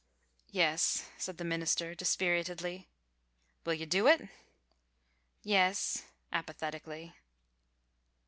"Yes," said the minister, dispiritedly. "Will you do it?" "Yes," apathetically.